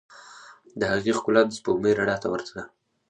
د هغې ښکلا د سپوږمۍ رڼا ته ورته ده.